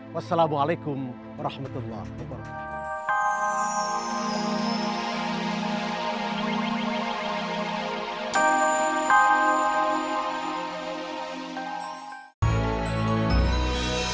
wassalamualaikum warahmatullahi wabarakatuh